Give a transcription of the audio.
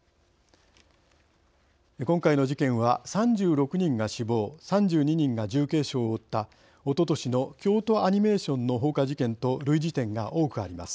今回の事件は３６人が死亡３２人が重軽傷を負ったおととしの京都アニメーションの放火事件と類似点が多くあります。